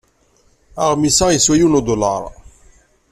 Aɣmis-a yeswa yiwen udulaṛ.